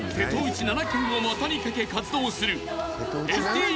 ７県を股に掛け活動するＳＴＵ